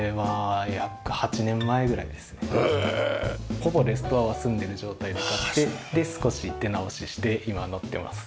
ほぼレストアは済んでる状態だったので少し手直しして今乗っています。